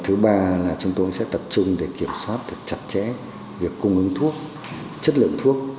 thứ ba là chúng tôi sẽ tập trung để kiểm soát thật chặt chẽ việc cung ứng thuốc chất lượng thuốc